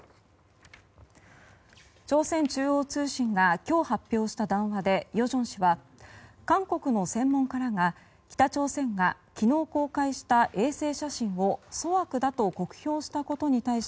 朝鮮中央通信が今日発表した談話で、与正氏は韓国の専門家らが北朝鮮が昨日公開した衛星写真を粗悪だと酷評したことに対し